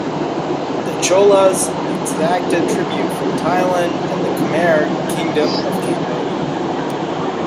The Cholas exacted tribute from Thailand and the Khmer kingdom of Cambodia.